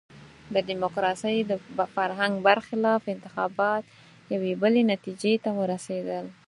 د ډیموکراسۍ د فرهنګ برخلاف انتخابات یوې بلې نتیجې ته ورسېدل.